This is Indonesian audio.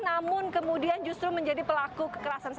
namun kemudian justru menjadi pelaku kekerasan sek